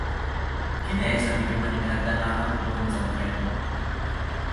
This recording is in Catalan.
Quina és la millor manera d'anar a Copons amb tren?